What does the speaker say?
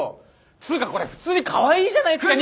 つかこれ普通にかわいいじゃないですか人魚姫。